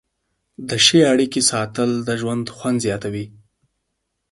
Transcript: د ښې اړیکې ساتل د ژوند خوند زیاتوي.